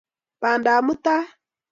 pandap mutai